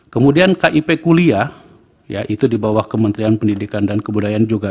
kemudian kip kuliah yaitu di bawah kementerian pendidikan dan kebudayaan juga